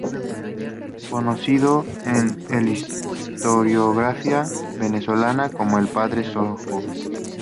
Conocido en la historiografía venezolana como el "Padre Sojo".